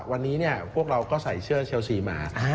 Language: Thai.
วันนี้พวกเราก็ใส่เสื้อเชลซีมา